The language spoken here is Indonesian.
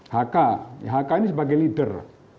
hk hk ini sebagai leader